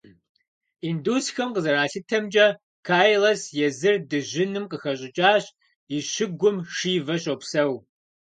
Индусхэм къызэралъытэмкӀэ, Кайлас езыр дыжьыным къыхэщӀыкӀащ, и щыгум Шивэ щопсэу.